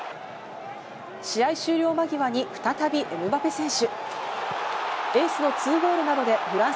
試合終了間際に再びエムバペ選手。